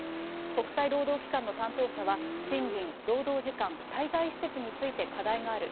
国際労働機関の担当者は、賃金、労働時間、滞在施設について課題がある。